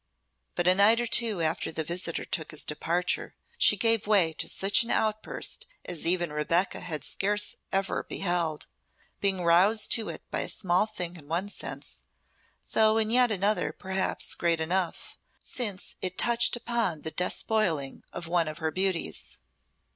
But a night or two after the visitor took his departure, she gave way to such an outburst as even Rebecca had scarce ever beheld, being roused to it by a small thing in one sense, though in yet another perhaps great enough, since it touched upon the despoiling of one of her beauties.